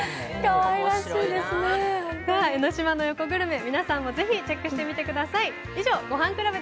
かわいらしいですね、本当に江の島の横グルメ、皆さんもぜひチェックしてみてください。